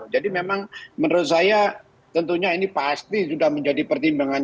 jadi memang menurut saya tentunya ini pasti sudah menjadi pertimbangan